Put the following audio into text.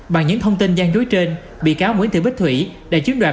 bằng những thông tin gian dối trên bị cáo nguyễn thị bích thủy đã chiếm đoạt